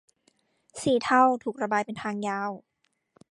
สีเทาถูกระบายเป็นทางยาว